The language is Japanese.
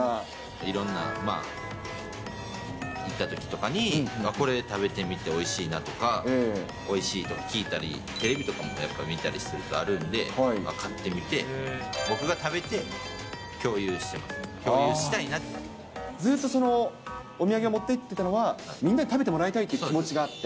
いろんな行ったときとかに、これ食べてみておいしいなとか、おいしいと聞いたり、テレビとかもやっぱり見たりするとあるんで、買ってみて、僕が食べて、共有してます、ずっと、お土産を持っていってたのは、みんなに食べてもらいたいっていう気持ちがあって。